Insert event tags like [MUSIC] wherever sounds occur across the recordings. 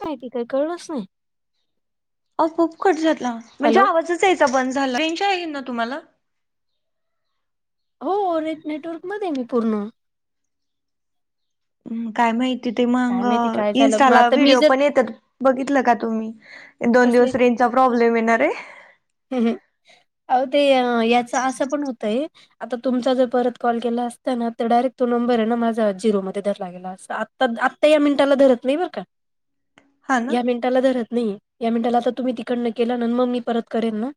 कायती काय कळलंच नाही. अ खूप कट झाातला म्हणजे हॅलो आवाजच यायचा बंद झाला त्यांच्या आहे ना तुम्हाला हो ओरेथ नेटवर्क मध्ये मी पूर्ण हम् काय माहिती काय माहिती काय झालं इटा मग आता मी व्हडओ जर पण बघित का तुम् दव कसले चा प्रॉब्लेम येणार रे. ह् अ ते याच असं पण होतंय. आता तुमचा जर परत कॉल केला असता ना तर डायरेक्ट तो नंबर आहे ना माझा जिरोमध्ये दर लागेला अस. तर आत्ता या मिनिटा धरत नाही बर का? हम्. या मिनिटाला धरत नाही या मिनिटाला तर तुम्ही तिकड न केलं न मग मी परत े ना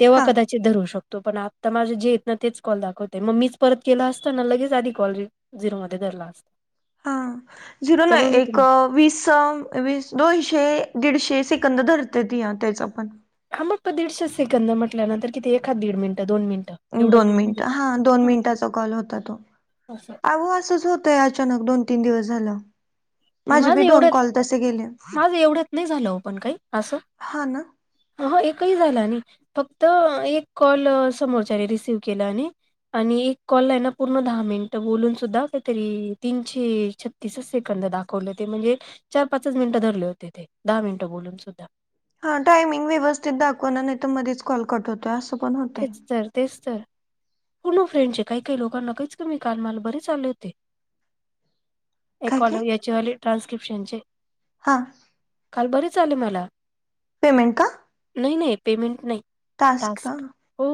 तेव्हा हा कदाचित धरू शकतो पण तर माझे जे येत ना तेच कॉल दाखवतेय मग मीच परत केला असता ना लगेच आधी कॉल झिरो मध्ये धरला असत. हा झिरो ना एक वीस वीस दोनशे दीडशे सिकंद धरते त या त्याच पण हा मग प दीडशे सेकंद म्हटल्यानंतर किती एखात दीड मिनट दोन मिनटं दोन मिनिट हा दोन मिनिटाचा कॉल होता तो असं अहो असच. अचानक दोन तीन दिवस झालं. माझे माझं बी दोन एवढ्यात कॉल तसे गेले माझं एवढ्यात नाही झालं पण काही असं. हा ना हो एकही झाला नाही फक्त एक कॉल समोरच्याने रिसिव केला आणि आणि एक कॉल ला आहे ना पूर्ण दहा मिनिट बोलून सुद्धा काहीतरी तीनशे छत्तीसच सेकंद दाख ले ते म्हणजे चार पाच मिनटं धरले होते ते दहा मिनिटं बोलून सुद्धा हा टायमिंग व्यवस्थित दाखवणार नाही तर मधीच कॉल कट होतोय असं पण होतंय. चर तेच तर हो फ्रेंडचे काही काही लोकांना काहीच कमी कालमाल बरे चाले होते. एक काय कॉल काय याचली ट्रान्स्क्रिप्शनचे हां. काल बर चा आले मला पेमेंट का? नाही नाही पेमेंट नाही टास्क हो.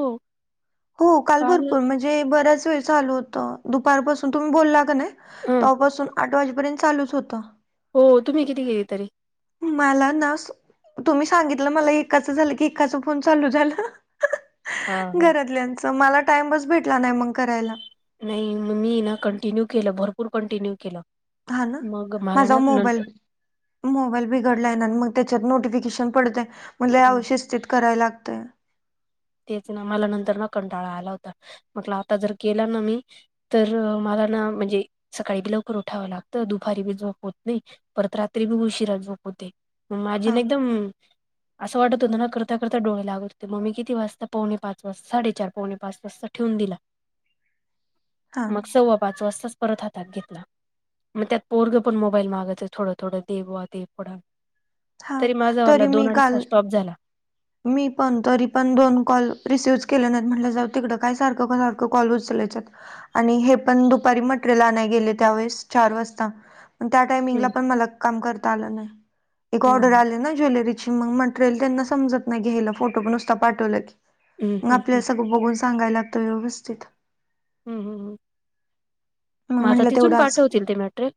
हो काल भरपूर म्हणजे बऱ्याच वेळ चालू होतं दुपारपासून तुम्ही बोलला का नाही. हं, तेवपासून आठ वाजेपर्यंत चालूच होत. हो तुम्ही किती गेली तरी? मला ना असं तुम्ही सांगितलं मला, एकाचं झालं की एकाच फोन चालू झाला. हां, हां. घरातल्याच, मला टाइमच भेटला नाही मग करायला. नाही मग, मी ना कंटिन्यू केलं भरपूर कंटिन्यू केलं. हा ना, मग मला माझा ना मोबाईल नंतर मोबाईल बिघडला हाय ना, मग त्याच्यात नोटिफिकेशन पडतय म लय आव हं, शिस्तीत कराय लागतंय तेच ना मला नंतर ना कंटाळा आला होता म्हटल, आता जर केला ना मी तर मला ना, म्हणजे सकाळी बी लवकर उठावं लागतं, दुपारी बी होत नाही. परत रात्री बि उशिरा झोप होते. माझी हा ना एकदम, असं वाटत होता ना करता करता डोळे लागत होते मग मी किती वाजत पावणे -पाचवाजता, साडेचार, पावणे -पाच वाजता ठेवून दिला. हा मग सव्वा- पाच वाजता परत हातात घेतला, मग त्यात पोरगं पण मोबाईल मागायचं थोडं थोडं, दे बा दे थोड. हा तरी माझावाला मी दोन -अडीच काल तास स्टॉप झाला मी पण तरी पण दोन कॉल रिसिव्हच केले नाहीत, म्हणलं जाऊ तिकडं काय सारखं सारखं कॉल उचलायचत. आणि हे पण दुपारी मटेरियल आणाय गेले त्यावेळेस चार वाजता. अन् त्या टायमिंगला हम्म पण मला काम करता आलं नाही एक ऑर्डर हम्म आलं ना ज्वेलरी हे मग मटरेल त्यांना समजत नाही घ्यायला फोटो नुसता पाठविला की हम्म मग हम्म आपल्याला हम्म सगळं बघून सांगायला सांगाय लागत व्यवस्थित हम्म हम् मग आता म्हटलं तिथून तेवढं आज पाठवतील ते मटरेल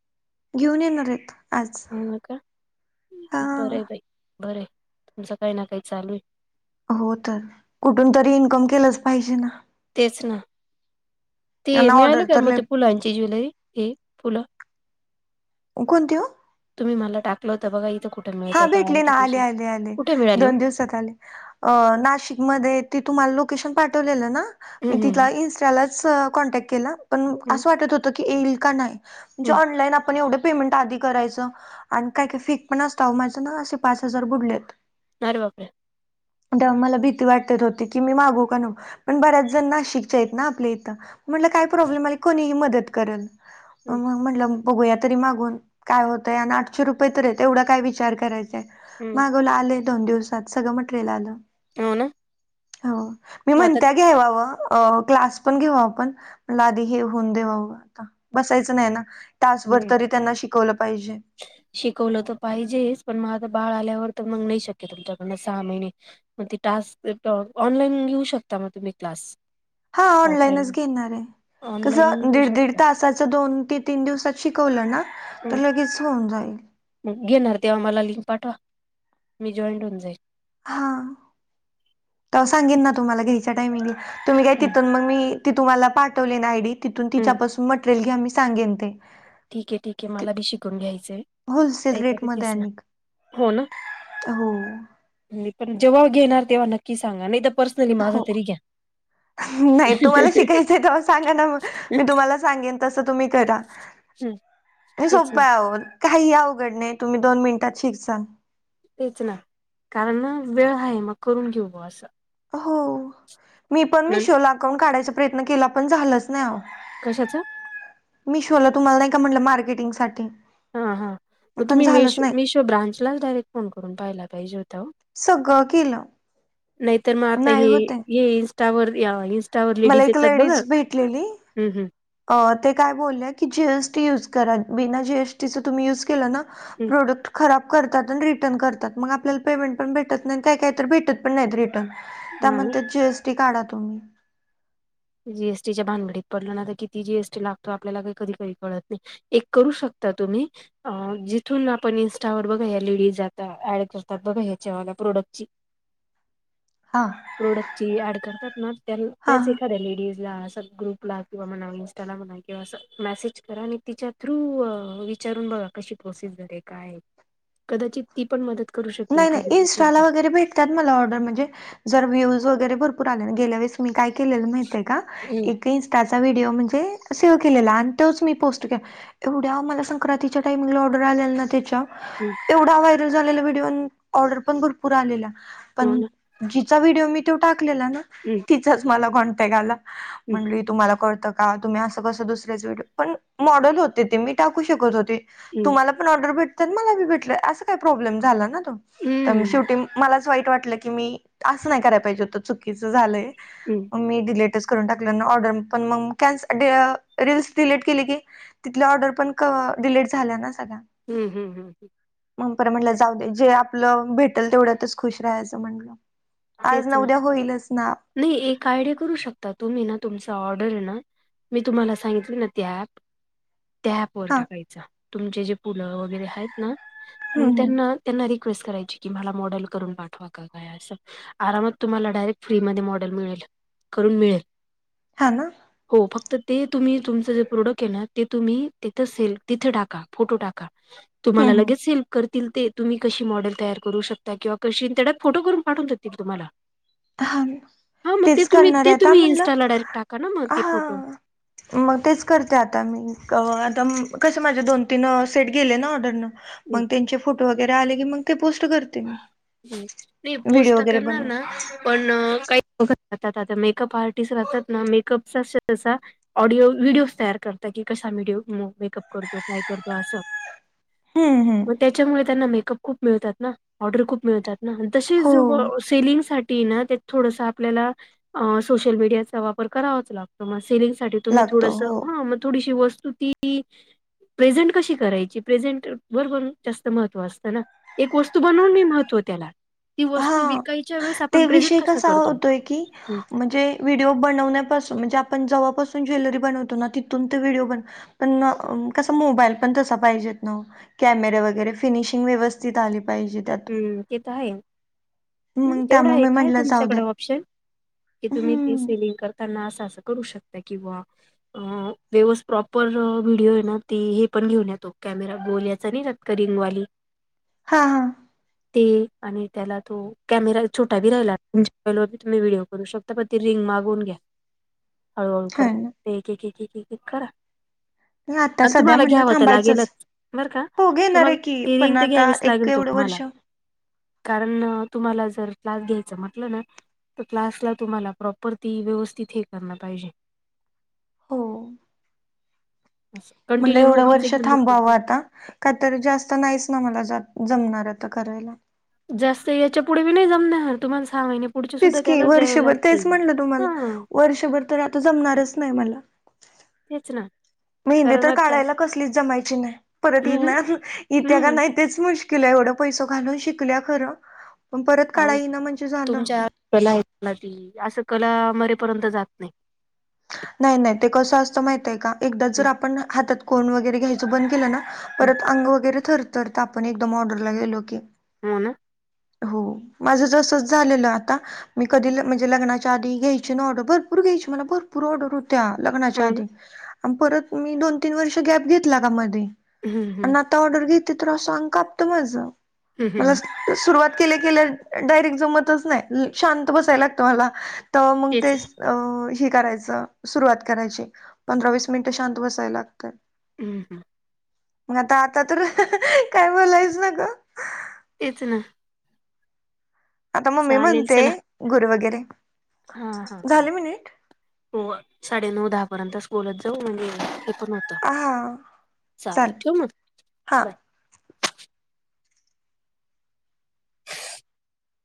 घेऊन येणार आहेत आज हा का बर आहे हा बाई बर आहे तुमचं काही ना काही चालू आहे हो तर कुठून तरी इन्कम केलंच पाहिजे ना तेच ना ते आणि मिळालं ऑर्डर का तर मग लय ते फुलांची ज्वेलरी हे फुलं कोणती ओ? तुम्ही मला टाकल होतं बघा इथ कुठ हा भेटले ना आले आले आले मिळाली हो दोन दिवसात आले अ नाशिक मध्ये ते तुम्हाला लोकेशन पाठवलेल ना हम्म मी तिला हम्म इनस्टाला सह कॉन्टॅक्ट केला पण म हम्म अस वाटत होत की येईल का नाही जे हम्म ऑनलाईन आपण एवढं पेमेंट आधी करायचं आणि काय काय फेक पण असत आओ माझं ना असे पाच हजार बुडलेत अरे बापरे अन् तेव्हा मला भीती वाटत होती की मी मागवू का नको? पण बऱ्याच जण नाशिकच्या आहेत ना आपल्या इथं म्हटलं काय प्रॉब्लेम आले कोणीही मदत करल हम्म मग म्हटलं बघूया तरी मागून काय होतंय अन आठशे रुपये तर आहेत तेवढा काय विचार करायचाय हम्म मागवलं आलय दोन दिवसात सगळं मटरेल आलं हो ना हो मी मग आता म्हणत्यात घेवावं क्लास पण घेऊ आपण म्हणलं हे आधी हे होऊन देवावं बसायच नाही ना तासभर हम्म तरी त्यांना शिकवलं पाहिजे शिकवलं तर पाहिजेच पण मग आता बाळ आल्यावर तर मग नाही शक्य तुमच्याकडनं सहा महिने मग त टास्क ऑनलाईन घेऊ शकता मग तुम्ही क्लास हा ऑनलाईनच ऑफलाईन घेणार आहे ऑनलाईन कसं घेऊ दीड दीड शकता तासाच दोन ते तीन दिवसात शिकवलं ना तर हं, लगेच होऊन जाईल घेणार तेव्हा मला लिंक पाठवा मी जॉईंट होऊन जाईल हा तव्हां सांगिन ना तुम्हाला घेईच्या टायमिंगला तुम्ही काय तिथून मग मी ती तुम्हाला पाठवली ना आयडी तिथून हम्म तिच्यापासून मटेरियल घ्या मी सांगेन ते ठीक आहे ठीके मला बी शिकून घ्यायचंय आहे होलसेल रेटमध्ये आणिक हो ना हो मी पण जेव्हा घेणार तेव्हा नक्की सांगा नाही तर पर्सनली माझा हो तरी घ्या नाही तुम्हाला शिकायचंय तव्हा सांगा ना मग मी तुम्हाला सांगेन तसं तुम्ही करा हं, हे तेच सोप्पं ना आहे हो काहीही अवघड नाही तुम्ही दोन मिनिटात शिकसाल तेच ना कारण ना वेळ आहे मग करून घेऊ बा असं हो मी पण मिशोला अकाउंट काढायचा प्रयत्न केला पण झालाच नाही अहो कशाचं मिशोला तुम्हाला नाही का म्हटलं मार्केटिंग साठी हा हां मग पण तुम्ही झालंच मीशो नाही मिशो ब्रांचलाच डायरेक्ट फोन करून पाहायला पाहिजे होता ओ सगळं केलं नाहीतर मग आता नाही हे होतय हे इनस्टावर या इ स्टारवर मला लेडीज एक येतात बघा भेटलेली ह ह् ते काय बोलल्या की जीएसटी युज करा बिना जीएसटीच तुम्ही युज केला ना हं. प्रोडक्ट खराब करतात आणि रिटर्न करतात मग आपल्याला पेमेंट पण भेटत नाही काय काही तर भेटत पण नाहीत रिटर्न हां ना. त्यानंतर जीएसटी काढा तुम्ही जीएसटीच्या भानगडीत पडलं ना तर किती जीएसटी लागतो आपल्याला काही कधी करी कळत नाही एक करू शकता तुम्ही अ जिथून आपण इनस्टावर बघा या्या लेडी जात ऍड करतात बघा ह्याच्या्हा प्रोडक्टची [INAUDIBLE] प्रोडक्टची ऍड करतात ना त्या हां, त्याच हां. लेज ग्रुपला किं इटाला म करा तिच्या थ्रू विचारून बघा कशी प्रोससर आहे काय कदाचित ती पण मदत करू शकते एखादी दिवसल ला ण भ [INAUDIBLE] माय हम्म का इनस्टाचा व्हिडिओ म्हणजे सेव्ह केलेला आणि तोच मी पोस्ट के एवढ्या मला संक्रांतीच्या टाइमिंगला ऑर्डर आलेला ना त्याच्या ह एवढा व्हायरल झालेला व्हिडिओ ऑर्डर पण भरपूर आलेला हो पण ना ज विडिओ टाकलेला ना हम्म त्याचाच मला कॉन्टॅक्ट आला हम्म तुम्हाला करत का तुम्ही असं कसं दुसऱ्याच वे पण मॉडल होते ते मी टाकू शकत होते तुमला पण ऑर्डर भेटत मलाी भेटय अस काही प्रॉब्लेम झाला त हम्म शेवटी मलाच वाईट वाटलं की मी असं नाही करायला पाहिजे होतं चुकीचं झालंय हम् मग मी डिलीटच करून टाकलं ऑर्डर पण मन रीलस डलीट केली क तिथल्या ऑर्डर पण डिलेट झाल्या ना सगळ्या ह्ं ह्ं हं ह मगपर म्हटलं जाऊ दे जे आपलं भेटेल तेवढ्यातच खुश राहायचं म्हणलं आज तेच न ना उद्या होईलच ना नाही एक आयडिया करू शकता तुम्ही ना तुमचा ऑर्डर आहे ना मी तुम्हाला सांगितली ना त्या ऍप त्याप वर हा टाकायच तुमचे जे पुलं वगैरे आहेत ना हम्म मग हम्म त्यांना त्यांना रिक्वेस्ट करायची की मला मॉडेल करून पाठवा का काय असं आरामात तुम्हाला डायरेक्ट फ्री म मॉडेल मिळेल करून मिळेल हा ना हो फक्त ते तुम्ही तुमचं जे प्रोडक्ट आहे ना ते तुम्ही तिथं सेल तिथे टाका फोटो टाका ह हम्म तुम्हाला हम्म लगेच हेेल्प करतील ते तुम्ही कशी मॉडेल तयार करू शकता किंवा कशी त्यात फोटो करून पाठवून द ठी तुम्हाला हा हा मग ते तेच तुम्ही करणार ते आहे आता तुम्ही म्हणलं इनस्टाला डायरेक्ट टाका ना मग ते हा फोटो मग तेच करते आता मी आता कस माझे दोन तीन सेट गेले ना ऑर्डरन हं. मग त्यांचे फोटो वगैरे आले की मग ते पोस्ट करते मी नाही व्हिडिओ पोस्ट वगैरे करणार बनवून ना पण काही ल राहतात आता मेकअप आर्टिस्ट राहतात ना मेकअपचा जसा ऑडिओ व्हिडिओ तयार करत की कसा विडओ मेकअप करतो काय करतो असं हम्म हम्म मग त्याच्यामुळे त्यांना मेकअप खूप मिळतात ना ऑर्डर खूप मिळतात ना तसेच हो सेलिंग साठी ना त्यात थोडस आपल्याला सोशल मीडियाचा वापर करावाच लागत मग सेलिंगसाठी तुम्ही लागतो थोडसं हो ह मग थोडीशी वस्तु त की प्रेझेंट कशी करायची प्रेझेंट बरोबर जास्त महत्त्व असतं ना एक गोष्ट बनवून मी महव त्याला ती वस्तू हा व कायच्या वेळेस आप ते विषय कसा होतोय की म्हणजे व्हिडिओ बनवण्यापासून म्हणजे आपण जव्हापासून ज्वेलरी बनवतो ना तिथून ते व्हिडिओ बन पण कस मोबाईल पण तसा पाहिज ना हो कॅमेरे वगैरे फिनिशिंग व्यवस् जिथे आली पाहिजे त्यात हम्म तेेत आहे मग तेवढा त्यामुळे मी एक आहे म्हटलं जाऊ दे तुमच्याकडे ऑप्शन की तुम्ही ती हम्म सेलिंग कर त्यांना असं असं करू शकत किंवा अ व्यवस् प्रॉपर व्हिडीिओ आहे ना तेी हे पण घेऊन येतो कॅमेरा बोल याचा नाही करिंगवाली हा हा ते आणि त्याला तो कॅमेरा छोटा दिलेला मंजे मोबाईल वर बी विडिओ करू शकतो पण ती रिंग मागवून घ्या हळूहळू ह करत एक एक एक एक करा ना आता आन सध्या तुम्हाला म्हटलं घ्यावं तर थांबायचंच लागेलच बर का हो घेणार तुम्हाला आहे की ती रिंग पण ते आता घ्यावीच एक लागेल एवढं तुम्हाला वर्ष कारण तुम्हाला जर क्लास घ्यायचं म्हटलं ना तर क्लासला तुम्हाला प्रॉपर ती व्यवस्थित हे करण पाहिजे हो असस म्हण एवढं वर्ष थांबवावं आता का तर जास्त नाहीच ना मला जमणार आता करायला जास्त याच्या पुढे बि नाही जमणार तुम्हाला सहा महिने पुढचे सुद्धा तिचकी त्यालाच द्यावे वर्षभर लागतील. तेच म्हटलं तुम्हाला हा वर्षभर तर आता जमणारच नाही मला तेच ना. मेहंदे कारण तर आता काढायला कसलीच जमायची नाही परत हम्म येणार इेत्या का हम्म नाही. तेच मुश्किल आहे एवढं पैस घालून शिकल्या खरं. पण परत अ काढा येईना म्हणजे झालं तुमच्या कला आहे ना ती असं कला मरेपर्यंत जात नाही. नाही नाही ते कसं असतं माहित आहे का एकदा जर हम्म आपण हातात कोण वगैरे घ्यायचं बंद केलं ना. हम्म परत अंग वगैरे थरथरत आपण एकदम ऑर्डरला गेलो की हो ना. हो माझं जसंच झालेलं आता मी कधी म्हणजे लग्नाच्या आधी घ्यायची ना ऑर्डर भरपूर घ्यायची मला भरपूर ऑर्डर हो. त्या लग्नाच्या हो ना आधी आणि परत मी दोन तीन वर्ष गॅप घेतला का मध्ये हम्म हम्म आणि आता ऑर्डर घेत तर अस अनगा कापत माझ हम्म मला हम्म सुरुवात केल्या केल्या डायरेक्ट जमतच नाही शांत बसायला लागतो मला तर मग तेच ते ना च. अ ही करायच सुरुवात करायची पंधरा वीस मिनिटं शांत बसायला लागत. हम् हम. मग आता आता तर काय बोलायच न ग. तेच ना. आता ममी चालेल म्हणते चला गुर वगैरे हा हा झाले मिनिट हो साडे नऊ दहा पर्यंतच बोलत जाऊ म्हणजे हे पण होत. हां चाले मग हा. बाय.